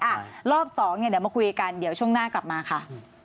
อ่ะรอบสองเนี่ยเดี๋ยวมาคุยกันเดี๋ยวช่วงหน้ากลับมาค่ะ